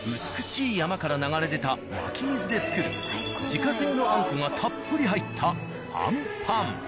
美しい山から流れ出た湧き水で作る自家製のあんこがたっぷり入ったあんぱん。